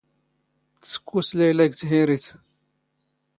ⵜⵙⴽⴽⵓⵙ ⵍⴰⵢⵍⴰ ⴳ ⵜⵀⵉⵔⵉⵜ.